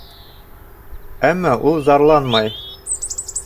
Әммә ул зарланмай.